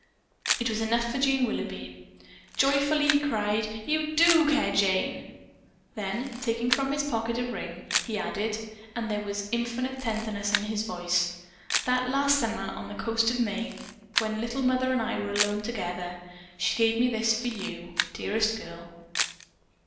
It was enough for Jean Willoughby. Joyfully he cried, "You do care, Jane!" Then taking from his pocket a ring, he added (and there was infinite tenderness in his voice), "That last summer on the coast of Maine, when little mother and I were alone together, she gave me this for you, dearest girl."